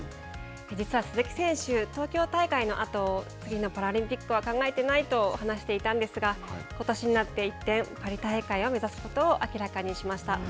実は鈴木選手、東京大会のあと、次のパラリンピックは考えていないと話していたんですが、ことしになって一転、パリ大会を目指すことを明らかにしました。